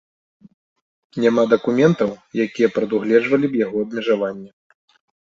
Няма дакументаў, якія прадугледжвалі б яго абмежаванне.